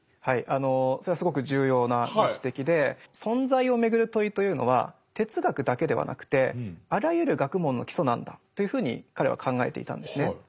はいあのそれはすごく重要なご指摘で存在をめぐる問いというのは哲学だけではなくてあらゆる学問の基礎なんだというふうに彼は考えていたんですね。